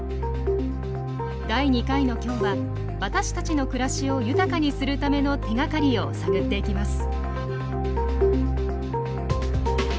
第２回の今日は私たちの暮らしを豊かにするための手がかりを探っていきます。